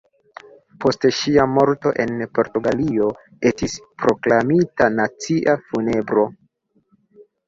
Post ŝia morto en Portugalio estis proklamita nacia funebro.